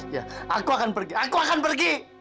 ya aku akan pergi aku akan pergi